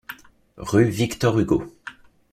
Rue Victor Hugo.